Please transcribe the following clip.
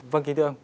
vâng kỳ thương